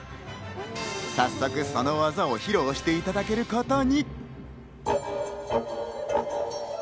早速、その技を披露していただけることに。